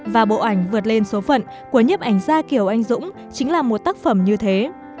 và bộ ảnh vượt lên số phận của nhiếp ảnh gia kiều anh dũng chính là một tác phẩm như thế